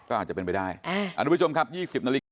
ก็อาจจะเป็นไปได้